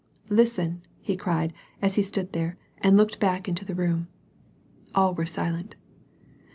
" Listen !" he cried, as he stood there and looked back into the room. All were silent.